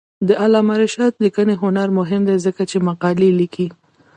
د علامه رشاد لیکنی هنر مهم دی ځکه چې مقالې لیکي.